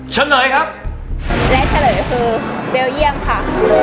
เฉินหน่อยครับและเฉินหน่อยคือเบลเยี่ยมค่ะ